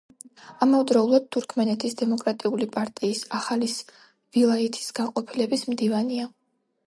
ამავდროულად თურქმენეთის დემოკრატიული პარტიის ახალის ვილაიათის განყოფილების მდივანია.